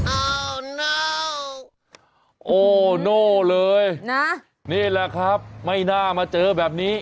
อ้าวโอ้โน่เลยนะนี่แหละครับไม่น่ามาเจอแบบนี้